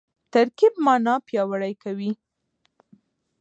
ترکیب مانا پیاوړې کوي.